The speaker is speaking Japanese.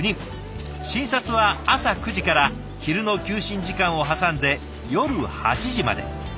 診察は朝９時から昼の休診時間を挟んで夜８時まで。